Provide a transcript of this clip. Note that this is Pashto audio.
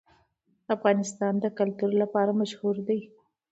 افغانستان د کلتور لپاره مشهور دی.